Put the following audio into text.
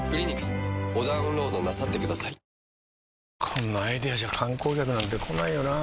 こんなアイデアじゃ観光客なんて来ないよなあ